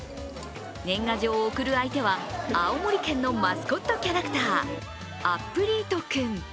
年賀状を送る相手は、青森県のマスコットキャラクター、アップリート君。